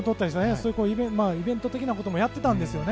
そういうイベント的なこともやってたんですよね。